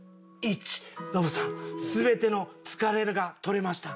ノブさん全ての「疲れる」が取れました。